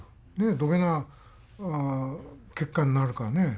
どげな結果になるかね。